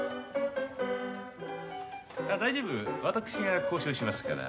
大丈夫私が交渉しますから。